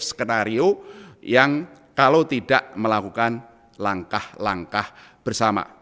skenario yang kalau tidak melakukan langkah langkah bersama